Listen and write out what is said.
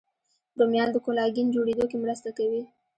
رومیان د کولاګین جوړېدو کې مرسته کوي